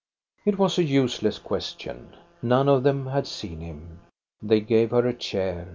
It was a useless question. None of them had seen him. They gave her a chair.